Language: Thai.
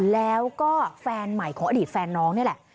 แล้วก็แฟนใหม่ของอดีตแฟนน้องนี่แหละ